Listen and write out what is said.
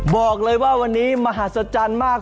บอกเลยว่าวันนี้มหัศจรรย์มาก